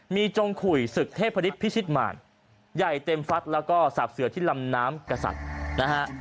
มีจงขุยศึกเทพฤษพิชิตมารใหญ่เต็มฟัดแล้วก็สาบเสือที่ลำน้ำกษัตริย์นะฮะ